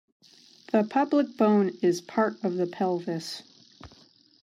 The pubic bone is part of the pelvis.